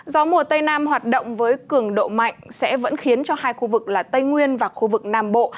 gió mùa tây nam hoạt động với cường độ mạnh sẽ vẫn khiến cho hai khu vực là tây nguyên và khu vực nam bộ